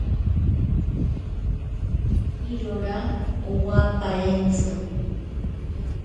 Irora owa parentzi.